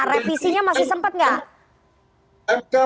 revisinya masih sempat nggak